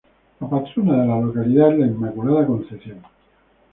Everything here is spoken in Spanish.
La Patrona de la localidad es la Inmaculada Concepción.